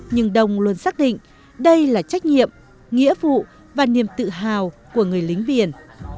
nhưng đồng luôn xác định đây là trách nhiệm nghĩa vụ và niềm tự hào của người lính viền